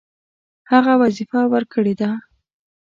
هغه وظیفه ورکړې ده.